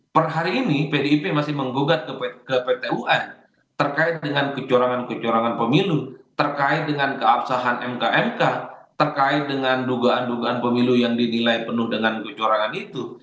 per hari ini pdip masih menggugat ke pt un terkait dengan kecurangan kecurangan pemilu terkait dengan keabsahan mk mk terkait dengan dugaan dugaan pemilu yang dinilai penuh dengan kecurangan itu